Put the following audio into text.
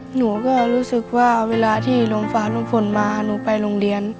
หนูก็รู้สึกว่าเวลาที่โรงฟ้าน้องฝนมาหนูไปโรงเรียน